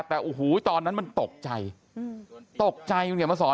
แต่โอ้โหตอนนั้นมันตกใจตกใจคุณเขียนมาสอน